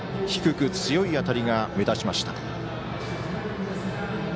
低く強い当たりが目立ちました。